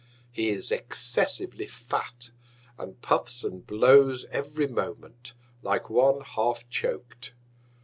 He is excessively fat, and puffs and blows every Moment, like one half choak'd.